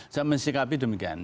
saya mensikapi demikian